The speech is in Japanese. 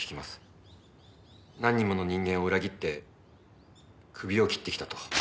何人もの人間を裏切って首を切ってきたと。